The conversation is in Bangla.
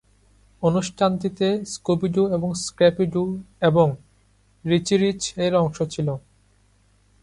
অনুষ্ঠানটিতে "স্কুবি-ডু এবং স্ক্রাপি-ডু" এবং "রিচি রিচ" এর অংশ ছিল।